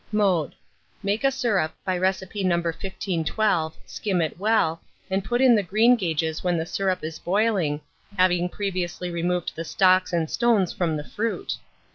Mode. Make a syrup by recipe No. 1512, skim it well, and put in the greengages when the syrup is boiling, having previously removed the stalks and stones from the fruit.